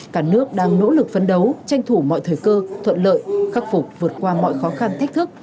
cả nước đang nỗ lực phấn đấu tranh thủ mọi thời cơ thuận lợi khắc phục vượt qua mọi khó khăn thách thức